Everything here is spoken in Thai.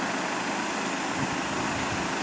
อีกวันนั้นอ่ะโดนร้อยหนึ่งก็ถามแล้วถาม